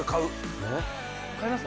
買います？